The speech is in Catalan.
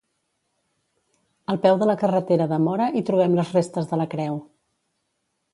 Al peu de la carretera de Móra hi trobem les restes de la creu.